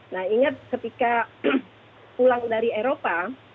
nah ingat ketika pulang dari eropa